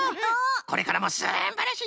これからもすんばらしい